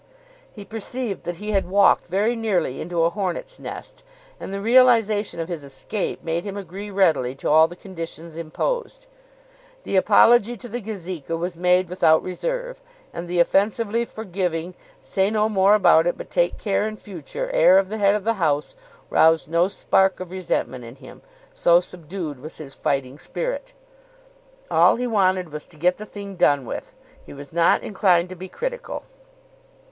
He perceived that he had walked very nearly into a hornets' nest, and the realisation of his escape made him agree readily to all the conditions imposed. The apology to the Gazeka was made without reserve, and the offensively forgiving, say no more about it but take care in future air of the head of the house roused no spark of resentment in him, so subdued was his fighting spirit. All he wanted was to get the thing done with. He was not inclined to be critical.